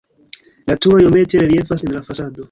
La turo iomete reliefas en la fasado.